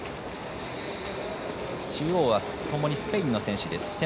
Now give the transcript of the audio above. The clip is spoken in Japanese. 中央はともにスペインの選手。